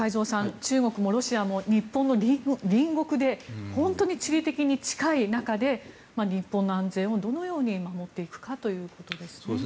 中国もロシアも日本の隣国で本当に地理的に近い中で日本の安全をどのように守っていくかということですね。